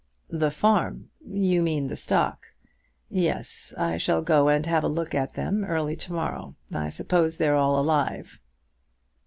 "The farm! you mean the stock. Yes; I shall go and have a look at them early to morrow. I suppose they're all alive."